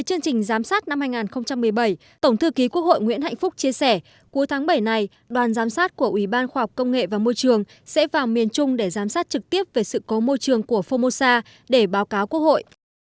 cuối tháng bảy này đoàn giám sát của ủy ban khoa học công nghệ và môi trường sẽ vào miền trung để giám sát trực tiếp về sự cố môi trường của phomosa để báo cáo quốc hội